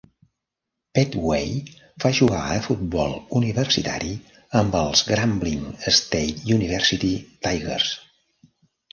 Pettway va jugar a futbol universitari amb els Grambling State University Tigers.